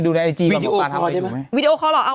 ดูในไอจีบ่อปลามาก